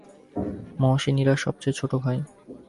মহসিন ইরার সবচেয়ে ছোট ভাই।